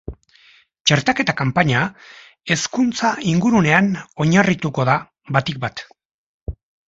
Txertaketa-kanpaina hezkuntza-ingurunean oinarrituko da batik bat.